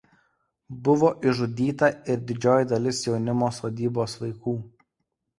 Buvo išžudyta ir didžioji dalis Jaunimo sodybos vaikų.